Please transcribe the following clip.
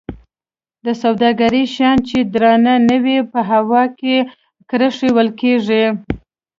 د سوداګرۍ شیان چې درانه نه وي په هوایي کرښو وړل کیږي.